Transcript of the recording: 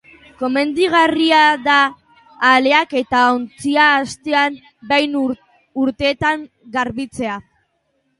Komenigarria da aleak eta ontzia astean behin uretan garbitzea.